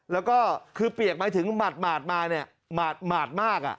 แล้วก็คือเปียกหมายถึงหมาดมาเนี่ยหมาดมาก